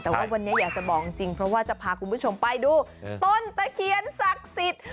แต่ว่าวันนี้อยากจะบอกจริงเพราะว่าจะพาคุณผู้ชมไปดูต้นตะเคียนศักดิ์สิทธิ์